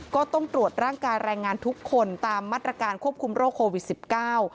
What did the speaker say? ก็ต้องตรวจร่างกายแรงงานทุกคนตามมาตรการควบคุมโรคโควิดสิบเก้า